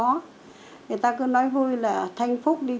người ta cứ nói vui là văn an đi trước thanh phúc